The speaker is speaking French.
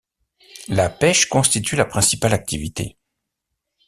La pêche constitue la principale activité.